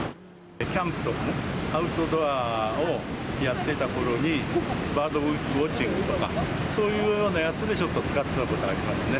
キャンプとかね、アウトドアをやってたころに、バードウォッチングとか、そういうようなやつでちょっと使ったことありますね。